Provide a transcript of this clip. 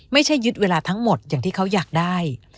ไม่ใช่ยึดเวลาทั้งหมดที่เขาอยากได้